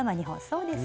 そうです！